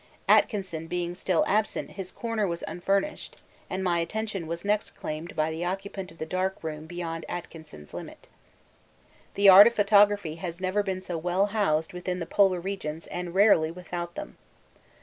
Atkinson being still absent his corner was unfurnished, and my attention was next claimed by the occupant of the dark room beyond Atkinson's limit. The art of photography has never been so well housed within the Polar regions and rarely without them.